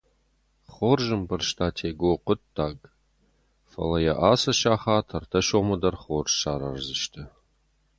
Хорз ӕмбӕрста Тего хъуыддаг, фӕлӕ йӕ ацы сахат ӕртӕ сомы дӕр хорз сараздзысты.